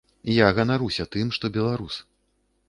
Я ганаруся тым, што беларус.